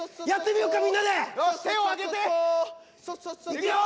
いくよ。